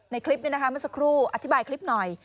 ในคลิปนี้นะคะเมื่อสักครู่อธิบายคลิปหน่อย